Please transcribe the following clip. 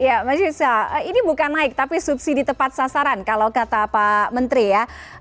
ya mas yusa ini bukan naik tapi subsidi tepat sasaran kalau kata pak menteri ya